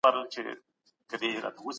هغه به د ټولني په اصلاح کي برخه واخلي.